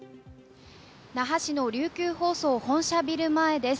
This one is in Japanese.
那覇市の琉球放送本社ビル前です。